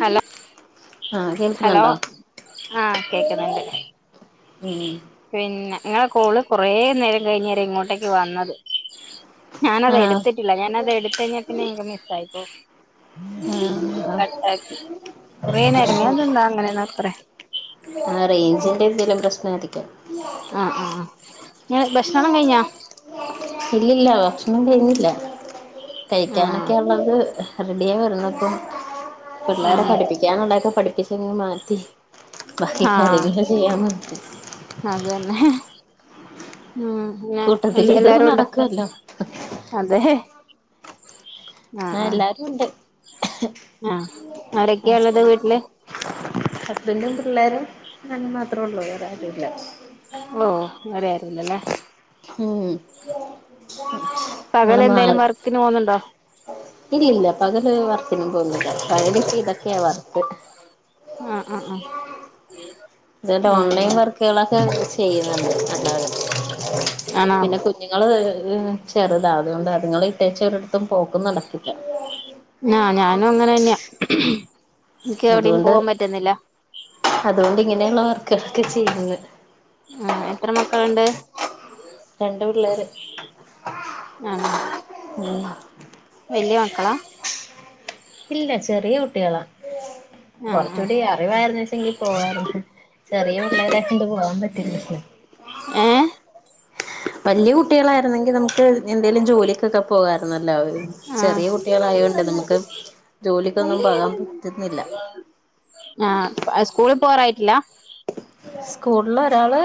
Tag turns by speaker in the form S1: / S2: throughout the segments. S1: Hello
S2: ആഹ്
S1: hello
S2: കേൾക്കുന്നുണ്ടോ
S1: ആഹ് കേക്കുന്നുണ്ട്
S2: ഉം
S1: പിന്നെ ഇങ്ങള കോള് കൊറേ നേരം കഴിഞ്ഞര് ഇങ്ങോട്ടേക്ക് വന്നത് ഞാനത്
S2: ആഹ്
S1: എടുത്തിട്ടില്ല ഞാനത് എടുത്ത് കഴിഞ്ഞാ പിന്നെ എനക്ക് മിസ്സായിപ്പോ
S2: ആഹ്
S1: കട് കുറെ നേരങ്ങനെ അതെന്താ അങ്ങനെന്നാർക്കറിയാ
S2: ആഹ് റേഞ്ചിൻ്റെ ഇന്തെലും പ്രശ്നാരിക്കും
S1: ആഹ് ആഹ് ആഹ് ഞെ ഭക്ഷണല്ലാ കഴിഞ്ഞാ
S2: ഇല്ലില്ല ഭക്ഷണം കഴഞ്ഞില്ല
S1: ആഹ്
S2: കഴിക്കാനൊക്കെ ഉള്ളത് റെഡിയാവുന്നപ്പം പിള്ളേരെ
S1: ആഹ്
S2: പഠിപ്പിക്കാനൊള്ളെക്കെ പഠിപ്പിച്ചെങ്ങ് മാറ്റി ബാക്കി കാര്യങ്ങള് ചെയ്യാന്നോർത്ത്
S1: അത് തന്നെ ഉം പിന്നെ എ
S2: കൂട്ടത്തില് ഇതും
S1: എല്ലാരുംണ്ടോ
S2: നടക്കുവല്ലോ
S1: അതെ ആഹ് ആഹ്
S2: എല്ലാരും ഉണ്ട്
S1: ആഹ് അരൊക്കെയള്ളത് വീട്ടില്
S2: ഹസ്ബൻറും പിള്ളേരും ഞാനും മാത്രേ ഉള്ളൂ വേറാരുവില്ല
S1: ഓഹ് വേറെ ആരുവില്ലല്ലേ
S2: ഉം
S1: പകല്
S2: ഞങ്ങള്
S1: എന്തേലും
S2: മാറി
S1: വർക്കിന് പോകുന്നുണ്ടോ
S2: ഇല്ലില്ല പകല് വർക്കിനൊന്നും പോന്നില്ല പകല് ഇതൊക്കെയാ വർക്ക്
S1: ആഹ് ആഹ് ആഹ്
S2: ഇത
S1: ഉം
S2: ഓൺലൈൻ വർക്കുകളൊക്കെ ചെയ്യുന്നുണ്ട് അല്ലാതെ
S1: ആണോ
S2: പിന്നെ നി ഞങ്ങൾ ചെറുത അതുകൊണ്ട്ണ് അത്ങ്ങൾ ഇട്ടേച്ച ഒരിടത്തും പോക്കും നടക്കില്ല
S1: ഞാനും അങ്ങനെ തന്നെയാ എനിക്ക് എവിടേയും
S2: അതുകൊണ്ട്
S1: പോവാൻ പറ്റുന്നില്ല
S2: അതുകൊണ്ട് ഇങ്ങനെയുള്ള വർക്കുകളൊക്കെ ചെയ്യുന്നു
S1: ആഹ് എത്ര മക്കളുണ്ട്
S2: രണ്ട് പിള്ളേര്
S1: ആണോ
S2: ഉം
S1: വല്ല്യ മക്കളാ
S2: ഇല്ല ചെറിയ കുട്ടികളാ
S1: ആ ആ
S2: കൊറച്ചുടി അറിവായിരുന്നുച്ചെങ്കി പോവരുന്നു ചെറിയ പിള്ളേരെ കൊണ്ട് പോകാൻ പറ്റില്ലല്ലോ
S1: ഏ
S2: വലിയ കുട്ടികളായിരുന്നെങ്കിൽ നമുക്ക് എന്തേലും ജോലിക്കൊക്കെ പോകരുന്നെല്ലോ
S1: ആ
S2: ചെറിയ കുട്ടികളയൊണ്ട് നമുക്ക് ജോലിക്കൊന്നും പോകാൻ പറ്റുന്നില്ല
S1: ആഹ് സ്കൂളിൽ പോകാറായിട്ടില്ല
S2: സ്കൂളില് ഒരാള്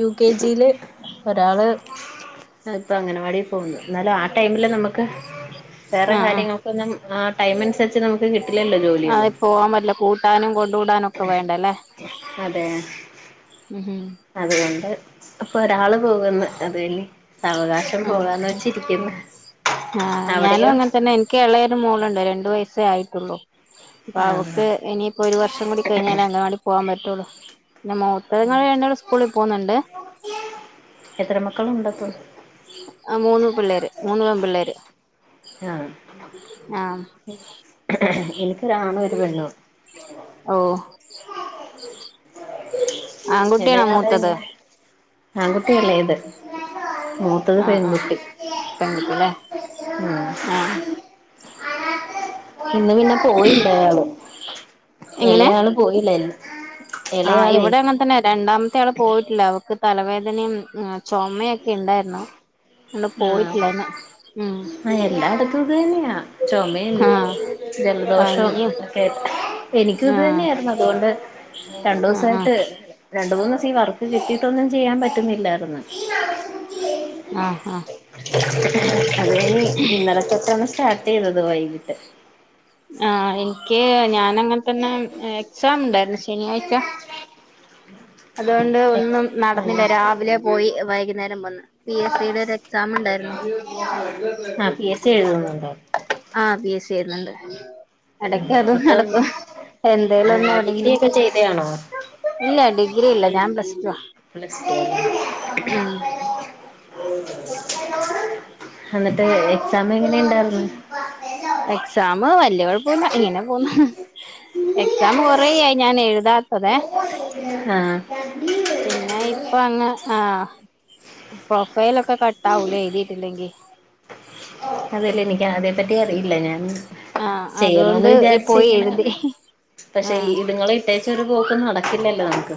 S2: യു കെ ജിയില് ഒരാള് ഇപ്പൊ അങ്ങനെ വാടി പോകുന്നു എന്നാല ടൈംമിൽ നമ്മക്ക് വേറെ
S1: ആ
S2: കാര്യങ്ങൾക്ക് എല്ലാം ആഹ് ടൈം അനുസരിച് നമ്മ
S1: ആഹ് പോവാൻ വല്ല പൂ കാനും കൊണ്ട് വിടാനൊക്കെ വേണ്ടല്ലേ
S2: അതെ അതുകൊണ്ട് ഇപ്പൊ ഒരാള് പോകുന്ന് അത് തന്നെ സാവകാശം
S1: ആ
S2: പോകാന്ന് വെച്ചിരിക്കുന്നു അവിടെയോ
S1: ക്കെ എളയരു മോളുണ്ട് രണ്ടു വയസ്സേ ആയിട്ടുള്ളൂ അപ്പൊ
S2: ആഹ്
S1: അവക്ക് ഇനിയിപ്പോ ഒരു വർഷം കൂടി കഴിഞ്ഞാല അങ്ങവാടി പോവാൻ പറ്റുള്ളു പിന്നെ മോ അതുങ്ങൾ രണ്ടാളും സ്കൂളി പോന്ന്ണ്ട്
S2: എത്ര മക്കളും ഉണ്ടപ്പോ
S1: ആഹ് മൂന്ന് പിള്ളേര് മൂന്ന് പെൺ പിള്ളേര്
S2: ആഹ്
S1: ആഹ്
S2: എനിക്കൊരാണും ഒരു പെണ്ണും
S1: ഓ ആൺകുട്ടിയാ മൂത്തത്
S2: ആകുട്ടി എള്ളേത് മൂത്തത്
S1: ആഹ് ആഹ്
S2: പെൺകുട്ടി
S1: പെൺകുട്ടില്ലേ ആഹ്
S2: ഇന്ന് പിന്നെ പോയില്ല അയാള്
S1: എങ്ങനെ
S2: ഇളയാള് പോയില്ലാര്ന്ന്
S1: ആഹ് ഇവിടെ അങ്ങനെ തന്നെ രണ്ടാമത്തെ ആള് പോയിട്ടില്ല അവക്ക് തലവേദനയും ച്ചോമക്കെ ഇണ്ടായിരുന്നു ഉം
S2: ആഹ് എല്ലായിടത്തും ഇത് തന്നെയാ ച്ചോമയും
S1: ആഹ്
S2: ജലദോഷം
S1: പനിയും
S2: ഒക്കെ എനിക്കും ഇത്
S1: ആഹ്
S2: തന്നെ ആയിരുന്നു അതുകൊണ്ട് രണ്ടു
S1: ആഹ്
S2: സായിട്ട്
S1: ആഹ്
S2: രണ്ടു മൂന്ന് ദിവസം ഈ വർക്ക് കിട്ടിട്ടൊന്നും ചെയ്യാ പറ്റുന്നില്ലായിര്ന്ന്
S1: ആഹ് ആഹ്
S2: അങ്ങന ഇന്നലെതോട്ടാണ് സ്റ്റാർട്ട് ചെയ്തത് വൈകിട്ട്
S1: ആഹ് എനിക്ക് ഞാന അങ്ങനെ തന്നെ എക്സാം ഉണ്ടായിരുന്നു ശനിയാഴ്ച
S2: [inaudible]
S1: അതുകൊണ്ട് ഒന്നും നടന്നില്ല രാവിലെ പോയി വൈകുന്നേരം വന്ന് പി എസ് സി ടെ ഒരു എക്സാം ഇണ്ടായിരുന്നു
S2: ആഹ് പി എസ് സി എഴുതുന്നുണ്ടോ
S1: ആഹ് പി എസ് സി എഴുതുന്നുണ്ട് എടക്ക് അതും
S2: അപ്പം
S1: നടക്കും എന്തേലുംന്ന്
S2: ഡിഗ്രി
S1: തുടങ്ങി
S2: ഒക്കെ ചെയ്തയാണോ
S1: ഇല്ല ഡിഗ്രി ഇല്ല ഞാം പ്ലസ്ടു ആ
S2: പ്ലസ്ടു ആണ്
S1: ഉം
S2: എന്നിട്ട് എക്സാം എങ്ങനെണ്ടായിര്ന്ന്
S1: എക്സാംമ് വല്യയ കുഴപ്പുല്ല ഇങ്ങനെ പോന്ന് എക്സാം കുറയായി ഞാൻ എഴുതാത്തതെ
S2: ആഹ്
S1: പിന്നെ ഇപ്പൊ അങ്ങനെ ആഹ് പ്രൊഫൈല ഒക്കെ കട്ടാവൂലേ എഴുതിയിട്ടില്ലെങ്കി
S2: അതല്ലേ എനിക്ക് അതേ പറ്റി അറിയില്ല ഞാൻ
S1: ആഹ്
S2: ചെയ്യണന്ന്
S1: അതുകൊണ്ട്
S2: വിചാരിച്ച്
S1: പോയി
S2: ഇങ്ങനെ
S1: എഴുതി
S2: പക്ഷെ
S1: ആഹ്
S2: ഇതുങ്ങളെ ഇട്ടേച് ഒരു പോക്ക് നടക്കില്ലല്ലോ നമക്ക്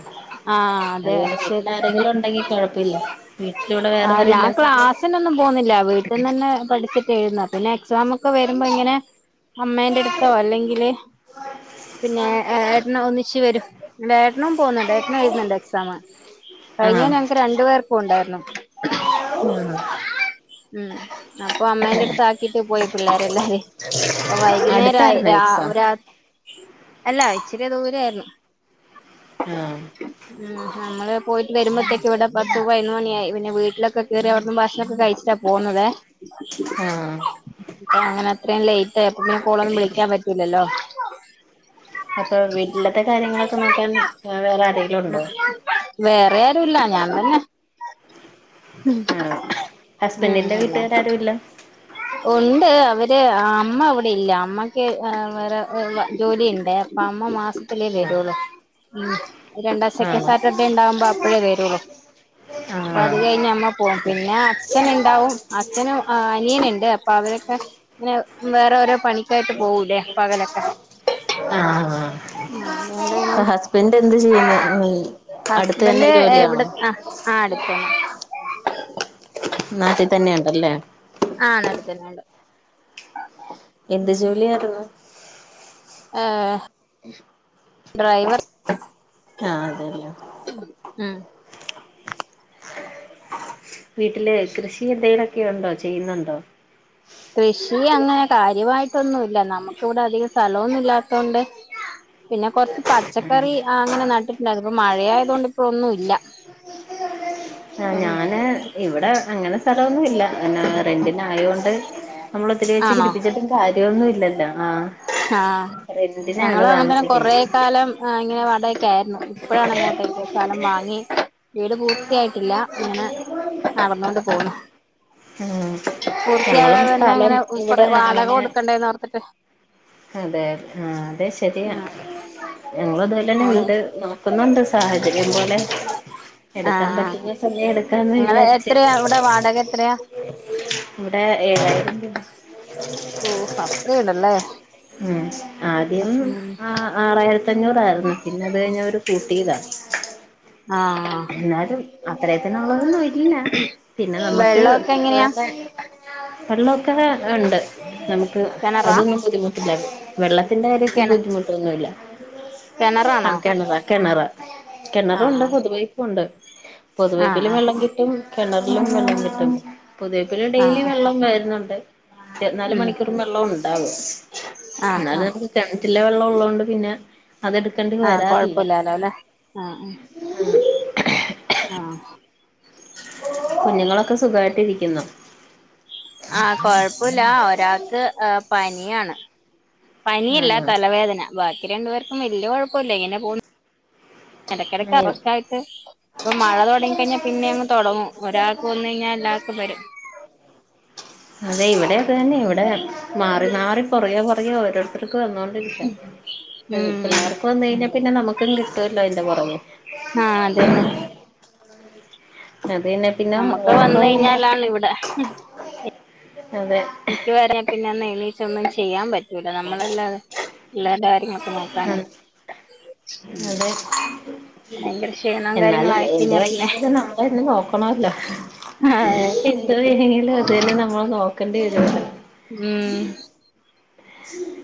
S1: ആഹ് അതെ
S2: അതുകൊണ്ട് വീട്ടിൽ
S1: ശരി
S2: ആരെങ്കിലും ഉണ്ടെങ്കിൽ കൊഴപ്പല്ല വീട്ടില് ഇവിടെ വേറെ ആരും ഇല്ലാത്ത കൊണ്ട്
S1: എ ഒന്നും പോകുന്നില്ല വീട്ടിന്ന് ന്നെ പഠിച്ചിട്ട് എഴുത് ന്ന പിന്നെ എക്സാം ഒക്കെ വരുമ്പോ ഇങ്ങനെ അമ്മേന്റെ അട്ത്തോ അല്ലെങ്കില് പിന്നെ എട്ടന് ഒന്നിച്ചു വരും എട്ടനും പോവുന്നുണ്ട് എട്ടന് എഴുതുന്നുണ്ട് എക്സാംമ് കഴിഞ്ഞ
S2: ആഹ്
S1: ഞങ്ങക്ക് രണ്ടു പേർക്കും ഉണ്ടായിരുന്നു
S2: ആഹ്
S1: ഉം അപ്പൊ അമ്മന്റെ അടുത്ത് ആക്കീട്ട് പോയി പിള്ളേരെ എല്ലാരിം അപ്പ വൈകുന്നേര
S2: അടുത്തായിരുന്നോ
S1: രാ
S2: എക്സാം
S1: രാ അല്ല ഇച്ചിരി ദൂരായിരുന്നു
S2: ആഹ്
S1: ഉം നമ്മള് പോയിട്ട് വരുമ്പോത്തേക്ക് ഇവിടെ പത്ത് പതിനൊന്നു മണിയായി പിന്നെ വീട്ടിലൊക്കെ കയറി അവിടന്നും ഭക്ഷണൊക്കെ കഴിച്ചിട്ടാ പോന്നതേ അ
S2: ആഹ്
S1: അങ്ങനെ അത്രേം ലേറ്റ് ആയി അപ്പൊ പിന്നെ കോളൊന്നും വിളിക്കാൻ പറ്റൂലല്ലോ
S2: അപ്പൊ വീട്ടിലത്തെ കാര്യങ്ങളൊക്കെ നോക്കാൻ വേറെ ആരെങ്കിലും ഉണ്ടോ
S1: വേറെ ആരുല്ല ഞാൻ തന്നെ ഉം
S2: ആഹ്
S1: ഉം
S2: ഹസ്ബൻഡിന്റെ
S1: എല്ല
S2: വീട്ടുകാരാരും ഇല്ല
S1: ഉണ്ട് അവര് ആം മ്മവിടെ ഇല്ല അമ്മക്ക് എഹ് വേറെ ജോലിയുണ്ട് അപ്പൊ അമ്മ മാ ത്തിലെ
S2: ആഹ്
S1: വരുൂള്ളൂ ഉം രണ്ടാം സെക്കൻഡ്
S2: ആണോ
S1: സാറ്റർഡേ ഉണ്ടാവുമ്പോ അപ്പഴേ വരുള്ളൂ
S2: ആഹ്
S1: അപ്പൊ അത് കഴിഞ്ഞ് അമ്മ പോകും പിന്നെ അച്ഛനുണ്ടാവും അച്ഛനും അനിയനുണ്ട് അപ്പൊ അവരൊക്കെ പിന്നെ വേറെ ഓരോ പണിക്കായിട്ട് പോവൂലേ പകലൊക്കെ
S2: അഹ്
S1: ആ അതുകൊണ്ട് പിന്നെ
S2: ആഹ് ഹസ്ബൻഡ് എന്ത് ചെയ്യുന്നു അടുത്ത് തന്നെ
S1: ഹസ്ബൻഡ് എവിടെ
S2: ജോലിയാണോ
S1: അഹ് ആഹ് അടുത്തന്നെ
S2: നാട്ടിൽ തന്നെ ഉണ്ടല്ലേ
S1: ആഹ് നാട്ടിത്തന്നെണ്ട്
S2: എന്ത് ജോലിയാര്ന്നു?
S1: ഏഹ് ഡ്രൈവർ
S2: ആഹ് അതെല്ലേ
S1: ഉം
S2: വീട്ടില് കൃഷി എന്തെങ്കിലൊക്കെ ഉണ്ടോ ചെയ്യുന്നുണ്ടോ?
S1: കൃഷി അങ്ങനെ കാര്യവായിട്ടൊന്നും ഇല്ല നമ്മുക്ക് ഇവിടെ അധികം സ്ഥലൊന്നും ഇല്ലാത്തോണ്ട് പിന്നെ കൊറച്ച്
S2: ആഹ്
S1: പച്ചക്കറി അങ്ങനെ നട്ടിട്ടുണ്ടായിരുന്നു ഇപ്പൊ മഴയായ തൊണ്ട് ഇപ്പ ഒന്നും ഇല്ല
S2: ആഹ്
S1: ഉം
S2: ഞാന് ഇവിടെ അങ്ങനെ സ്ഥലന്നും ഇല്ല പിന്നെ റെന്റിന് ആയോണ്ട് നമ്മള് ഒത്തിരി വെച്ച്
S1: ആണോ
S2: പിടിപ്പിച്ചിട്ടും കാര്യമൊന്നും ഇല്ലല്ലോ ആഹ് റന്റിനാണ് താമസിക്കുന്നത്
S1: സ്ഥലം ഏഹ് ഇങ്ങനെ വാടകക്ക് ആയിരുന്നു ഇപ്പോഴാണ് ഇങ്ങോട്ടേക്കെ സ്ഥലം വാങ്ങി വീട് പൂർത്തിയായിട്ടില്ല ഇങ്ങനെ നടന്നുകൊണ്ട് പോണു
S2: ഉം ഞങ്ങളും
S1: പൂർത്തിയാകാതെ തന്നെ
S2: സ്ഥലം
S1: അങ്ങനെ കൊ
S2: ഇവിടെ
S1: വാടക
S2: അങ്ങനെ
S1: കൊടുക്കണ്ടേന്ന് ഓർത്തിട്ട്
S2: അതെ ആഹ് അതെ ശരിയാ
S1: ആഹ്
S2: ഞങ്ങള് അതുപോലെന്നെ
S1: ആഹ്
S2: വീട് നോ ക്കുന്നുണ്ട് സാഹചര്യം പോലെ എടുക്കാൻ
S1: ആഹ്
S2: പറ്റുന്ന സമയം എടുക്കാന്ന്
S1: നിങ്ങള്
S2: വിചാരിച്ച്
S1: എത്രയാ ഇവിടെ വാടക എത്രയാ
S2: ഇവിടെ ഏഴായിരം രൂപ
S1: ഓ അത്രയുണ്ടല്ലേ
S2: ഉം ആദ്യം
S1: ഉം
S2: അ ആഹ് ആറായിരത്തി അഞ്ഞൂറായിരുന്നു പിന്നെ അത് കഴിഞ് അവര് കൂട്ടീതാ
S1: ആഹ്
S2: ന്നാലും അത്രയത്തിന്നുള്ളത് ഒന്നും ഇല്ല പിന്നെ നമുക്ക്
S1: വെള്ളമൊക്കെ എങ്ങനെയാ
S2: വെള്ളോക്കെങ്‌ ഉണ്ട് നമുക്ക്
S1: കിണറാ
S2: അതൊന്നും ബുദ്ധിമുട്ടില്ല വെള്ളത്തിന്റെ കാര്യത്തിൽ
S1: കിണ
S2: ബുദ്ധിമുട്ട് ഒന്നുല്ല
S1: കിണറാണോ
S2: ആഹ് കിണറാ കിണറാ കിണറ്
S1: ആഹ്
S2: ഉണ്ട് പൊതുപൈപ്പുണ്ട്
S1: ആഹ് ആഹ്
S2: പൊതുപൈപ്പിലും വെള്ളം
S1: ആഹ്
S2: കിട്ടും കിണറിലും വെള്ളം കിട്ടും പൊതുപൈപ്പ് ഡെയിലി
S1: ആഹ്
S2: വെള്ളം വരുന്നുണ്ട് ഇരുപത്തിനാല്
S1: ഉം
S2: മണിക്കൂർ വെള്ളം ഉണ്ടാവും
S1: ആഹ്
S2: എന്നാലും
S1: ആഹ്
S2: നമ്മക്ക് കിണറ്റിലെ വെള്ളം ഉള്ളോണ്ട് പിന്നെ അതെടുക്കണ്ടി വരാറില്ല
S1: അതെലെ ആഹ് ആഹ് ആഹ്
S2: കുഞ്ഞുങ്ങളൊക്കെ സുഖായിട്ട് ഇരിക്കുന്നൊ
S1: ആഹ് കൊഴപ്പല്ല ഒരാൾക്ക് പനിയാണ് പനിയല്ല
S2: ആഹ്
S1: തലവേദന ബാക്കി രണ്ട് പേർക്കും വലിയ കുഴപ്പില്ല ഇങ്ങനെ പോണ് എടക്കിടക്ക്ടക്കി റസ്റ്റായി ഇപ്പൊ മഴ തുടങ്ങിക്കഴിഞ്ഞാൽ പിന്നെ അങ്ങ് തുടങ്ങും ഒരാക്ക് വന്നഴിഞ്ഞാ എല്ലാർക്കും വരും
S2: അതെ ഇവിടെ അത് തന്നെ ഇവിടെ മാറി മാറി പുറകെ പുറകേ ഓരോ തർക്ക് വന്നോണ്ട് ഇരിക്ക
S1: ഉം ഉം
S2: പിള്ളേർക്ക് വന്നഴിഞ്ഞാ പിന്നെ നമുക്ക കിട്ടുമല്ലോ അതിന്റെ പുറമേ
S1: ആഹ് അതന്നെ
S2: അതന്നെ
S1: നമ്മുക്ക് വന്നഴിഞ്ഞാലാണ് ഇവിടെ
S2: അതെ
S1: ഇനിക്ക് വേതന പിന്നെ ഒന്ന് എണീച്ചൊന്ന് ചെയ്യാൻ പറ്റൂല നമ്മളല്ലാതെ പിള്ളേരെട കാര്യങ്ങൾ ഓക്കെ നോക്കാന്
S2: അതെ
S1: ക്ഷീണം
S2: എന്നാലും
S1: കാര്യങ്ങളായി
S2: എന്ത്
S1: കഴിഞ്ഞാ പിന്നെ
S2: വയ്യെങ്കിലും നമ്മ ളെന്നെ നോക്കണല്ലോ
S1: ആഹ് അതേ
S2: എന്ത് വേണെങ്കിലും അത് തന്നെ നമ്മള് നോക്കേണ്ടി വരു
S1: ഉം
S2: [inaudible]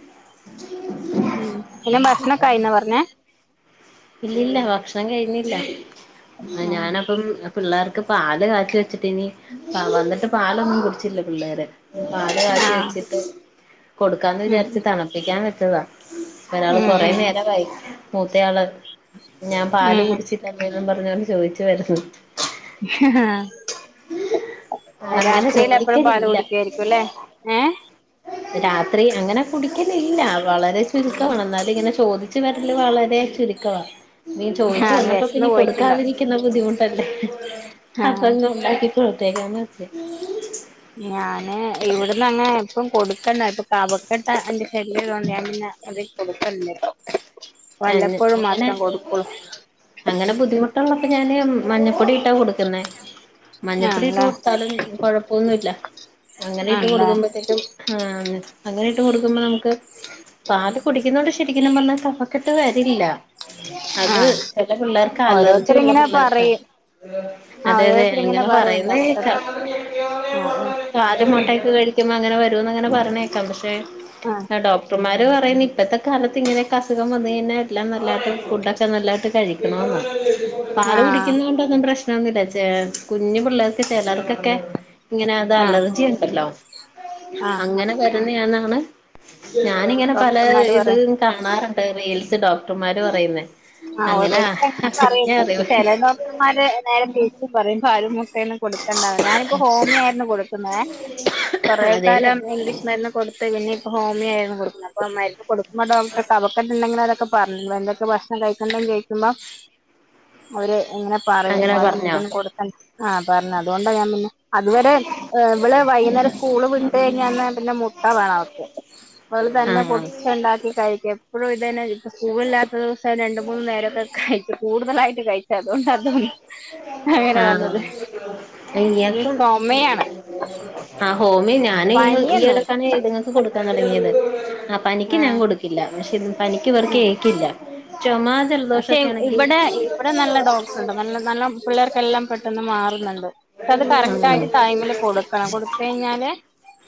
S1: ഉം എല്ലാ ഭക്ഷണക്കായിന്ന പർഞ്ഞേ
S2: ഇല്ല ഇല്ല ഭക്ഷണം കഴിഞ്ഞില്ല ഞാനപ്പം പിള്ളേർക്ക് പാല് കാച്ചച്ചിട്ടിനി വന്നിട്ട് പാലൊന്നും കുടിച്ചില്ല പിള്ളേര് പാല് കാച്ചി
S1: ആഹ്
S2: വെച്ചിട്ട് കൊടുക്കാന്ന്
S1: ഉം
S2: വിചാരിച്ച് തണുപ്പിക്കാൻ വെച്ചതാ ഒരാള്
S1: ഉം
S2: കൊറേ
S1: ഉം
S2: നേരവായി മൂത്തയാള് ഞാൻ പാല്
S1: ഉം
S2: കുടിച്ചില്ല അമ്മേന്ന് പറഞ്ഞോണ്ട് ചോദിച്ചു വരുന്നു അങ്ങനെ
S1: രാത്രിലപ്പഴും പാല്
S2: ചോദിക്കലില്ല
S1: കുടിക്കായിരിക്കുല്ലേ ഏഹ്
S2: രാത്രി അങ്ങനെ കുടിക്കലില്ല വളരെ ചുരുക്കമാണ് എന്നാലും ഇങ്ങനെ ചോദിച്ചു വരല് വളരെ ചുരുക്കമാണ് ഇനി ചോദിച്ചു
S1: ആഹ്
S2: വന്നപ്പോ
S1: വിശന്ന്
S2: പിന്നെ
S1: പോയിട്ടുണ്ടാവും
S2: കൊടുക്കാതിരിക്കുന്ന ബുദ്ധിമുട്ടല്ലേ അപ്പ
S1: ആഹ്
S2: ഉണ്ടാക്കി കൊടുത്തേക്കാം എന്ന് വെച്ച്
S1: ഞാന് ഇവിടെ എന്നും അങ്ങനെ കൊടുക്കണ്ട ഇപ്പൊ കവക്കെട്ട അയിന്റെ ശല്യം ഉള്ളോണ്ടേ ഞാന്‍ പിന്നെ അധികം കൊടുക്കുന്നില്ല കേട്ടോ വല്ലപ്പോഴും
S2: അങ്ങനെ
S1: മാത്രം കൊടുക്കളൂ
S2: അങ്ങനെ ബുദ്ധിമുട്ടുള്ളപ്പ ഞാന് മഞ്ഞപ്പൊടി ഇട്ടാ കൊടുക്കുന്നേ മഞ്ഞപ്പൊടി ഇട്ട്
S1: ആണല്ലേ
S2: കൊടുത്താലും കുഴപ്പൊന്നുമല്ല അങ്ങനെ ഇട്ട്
S1: ആണല്ലേ
S2: കൊടുക്കുമ്പഴത്തേക്കും ആണ് അങ്ങനെ ഇട്ട് കൊടുക്കുമ്പോ നമുക്ക് പാല് കുടിക്കുന്നത് കൊണ്ട് ശരിക്കും പറഞ്ഞാ ക ഫകെട്ട് വരില്ല അത്
S1: ആഹ്
S2: ചില പിള്ളേർക്ക് അലർജി ഉള്ള
S1: ഓരോരുത്തരിങ്ങനെ
S2: പിള്ളേർക്കാ
S1: പറയും ആ
S2: അതെ അതെ
S1: ഓരോരുത്തരിങ്ങനെ
S2: ഇങ്ങനെ
S1: പറയും
S2: പറയുന്ന കേക്കാ
S1: ചവക്കട്ടെ ആഹ്
S2: പാലും മുട്ടയും ഒക്കെ കഴിക്കുേമ്പാ അങ്ങനെ വരൂന്ന് ഇങ്ങനെ പറഞ്ഞേക്കാം പക്ഷെ
S1: ആഹ്
S2: ഡോക്ടർമാര് പറയുന്ന് ഇപ്പഴത്തെ കാലത്ത് ഇങ്ങനക്കെ അസുഖം വന്ന് കഴിഞ്ഞാ എല്ലാം നല്ലതായിട്ട് ഫുഡൊക്കെ നല്ലായിട്ട് കഴിക്കണന്നാ പാല്
S1: ആഹ്
S2: കുടിക്കുന്നോണ്ടൊന്നും പ്രശ്നൊന്നുല്ല ച കുഞ്ഞു പിള്ളേർക്ക് ചിലർക്കൊക്കെ ഇങ്ങനെ അത്
S1: ആഹ്
S2: അലർജി ഉണ്ടല്ലോ
S1: ആഹ് ആഹ് ആഹ്
S2: അങ്ങനെ വരുന്നയാണന്നാണ് ഞാനിങ്ങനെ പല
S1: ഡോക്ടർമാര്
S2: ഇത്
S1: പറയും
S2: കാണാറുണ്ട് റീൽസ് ഡോക്ടർമാര് പറയുന്നെ
S1: ആഹ് ഓരോരുത്തര് അങ്ങനെ പറയുന്ന് ചില ഡോക്റ് ഡോക്ട്ടർമാര് നേരെ തിരിച്ചും പറയും പാലും മുട്ടയൊന്നും കൊടുക്കണ്ടാന്ന് ഞാനിപ്പോ ഹോമിയോ ആയിരുന്നു കൊടുക്കുന്നെ കുറെ
S2: അതെല്ലേ
S1: കാലം ഇംഗ്ലീഷ് മരുന്നും കൊടുത്ത് പിന്നെ ഇപ്പോ ഹോമിയോ ആയിരുന്നു കൊടുക്കുന്നത് അപ്പ മരുന്ന് കൊടുക്കുമ്പോ ഡോക്ടർ കഫക്കട്ട് ഉണ്ടെങ്കിൽ അതൊക്കെ പറഞ്ഞ്. എന്തൊക്കെ ഭക്ഷണം കഴിക്കണ്ടേന്ന് ചോദിക്കുമ്പോ അവര് ഇങ്ങന പറയും
S2: അങ്ങനെ
S1: പാലും
S2: പറഞ്ഞോ
S1: മുട്ടയൊന്നും കൊടുക്കണ്ട ആഹ് പറഞ്ഞ് അതുകൊണ്ടാ ഞാൻ പിന്നെ അതുവരെ ഇവള് വൈകുന്നേരം സ്കൂള് വിട്ട് കഴിഞ്ഞാ എന്നാ പിന്നെ മുട്ട വേണം അവൾക്ക് അവള് തന്നെ
S2: ആഹ്
S1: മുട്ട ഉണ്ടാക്കി കഴിക്കും എപ്പോഴും ഇതന്നെ ഇപ്പോ സ്കൂൾ ഇല്ലാത്തത് രണ്ട് മൂന്നു നേരക്കെ കഴിക്കും കൂടുതലായിട്ട് കഴി അതുകൊണ്ടന്ന് തോന്നുന്നു അങ്ങനെ
S2: ആഹ്
S1: വന്നത് ഉം
S2: ഇയാക്കും
S1: ചുമയാണ്
S2: ആഹ് ഹോമിയോ ഞാന് ഈ
S1: പനിയൊന്നുല്ല
S2: എടക്കാന് ചെയ്തത് കൊടുക്കാൻ തുടങ്ങിയത് ആഹ് പനിക്ക് ഞാൻ
S1: ആഹ്
S2: കൊടു- [unintelligible] പക്ഷെ പനിക്ക് ഇവർക്ക് ഏക്കില്ല ചുമ
S1: പക്ഷെ
S2: ജലദോഷൊക്കെ ആണെങ്കി
S1: ഇവിടെ ഇവിടെ നല്ല ഡോക്ടറുണ്ട് നല്ല നല്ല പിള്ളേർക്കല്ലം പെട്ടെന്ന് മാറുന്നുണ്ട് അത് കറക്റ്റ്
S2: ആഹ്
S1: ആയിട്ട് ടൈമില് കൊടുക്കണം കൊടുത്ത് കഴിഞ്ഞാല്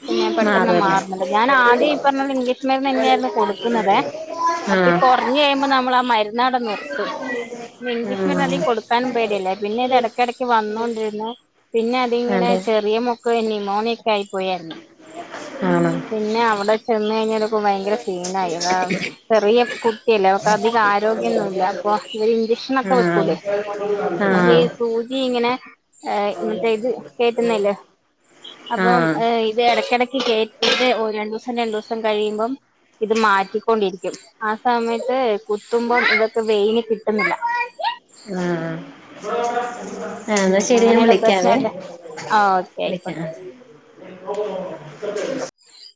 S1: പിന്നെ പെട്ടെന്ന്
S2: മാറുവല്ലേ
S1: മാറുന്നുണ്ട് ഞാൻ ആദ്യം ഈ പറഞ്ഞത് പോലെ ഇംഗ്ലീഷ് മരുന്ന് തന്നെയായിരുന്നു കൊടുക്കുന്നതെ അപ്പൊ ഈ
S2: ആഹ്
S1: കുറഞ്ഞു കഴിയുമ്പോ നമ്മൾ ആ മരുന്നവിടെ നിർത്തും ഇഗ്ലീഷ് മരുന്ന്
S2: ആഹ്
S1: അതികം കൊടു ക്കാനും പേടിയല്ലേ പിന്നെ ഇത് ഇടക്ക് ഇടക്ക് വന്നോണ്ടിരുന്ന് പിന്നെ അതിങ്ങനെ
S2: അതെ
S1: ചെറിയ മോ നിമോണിയൊക്കെ ആയി പോയാരുന്ന്
S2: ആണോ
S1: പിന്നെ അവിടെ ചെന്ന് കഴിഞ്ഞേരം ഭയങ്കര സീനായി അതാ ചെറിയ കുട്ടിയല്ലേ അവൾക് അധികം ആരോഗ്യം ഒന്നൂല്ല ഇപ്പോ ഇവര് ഇഞ്ചക്ഷനൊക്കെ
S2: ആഹ്
S1: വെക്കൂല്ലേ അപ്പോ ഈ
S2: ആഹ്
S1: സൂചി ഇങ്ങനെ ആഹ് മറ്റേ ഇത് കേറ്റുന്നയില്ലേ അപ്പം
S2: ആഹ്
S1: [unintelligible] ഇത് ഇടക്ക് ഇടക്ക് കേറ്റുന്നെ ഒരു രണ്ട് ദിവസം രണ്ട് ദിവസം കഴിയുമ്പം ഇത് മാറ്റിക്കൊണ്ടിരിക്കും ആ സമയത്ത് കുത്തുമ്പോ ഇവൾക്ക് വെയിന് കിട്ടുന്നില്ല
S2: ആഹ് ആഹ് എന്നാ
S1: ഉം
S2: ശരി ഞാൻ
S1: അങ്ങനെയുള്ള
S2: വിളിക്കാവേ
S1: പ്രശ്നണ്ട് ആ ഓക്കെ
S2: വിളിക്കാ
S1: ആയിക്കോട്ടെ